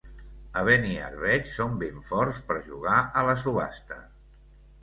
A Beniarbeig són ben forts per jugar a la subhasta.